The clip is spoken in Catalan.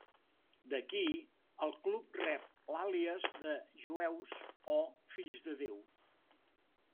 D'aquí el club rep l'àlies de Jueus, o Fills de Déu.